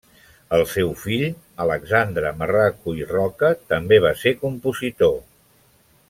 El seu fill, Alexandre Marraco i Roca també va ser compositor.